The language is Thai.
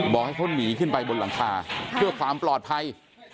บอกให้เขาหนีขึ้นไปบนหลังคาเพื่อความปลอดภัย